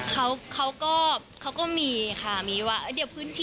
คุณว่าพวกนี้เองก็เตรียมไว้ให้หลานในอนาคตที่เห็นจะเกิดขึ้นด้วยหรือเปล่า